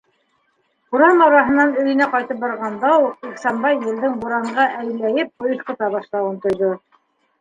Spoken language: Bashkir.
Урам араһынан өйөнә ҡайтып барғанда уҡ Ихсанбай елдең буранға әйләйеп ойоҫҡота башлауын тойҙо.